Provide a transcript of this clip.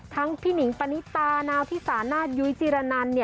ทั้งพี่นิ่งปนนิตาเหนาที่ส่าห์นาธิสยุยจิรณันดิ์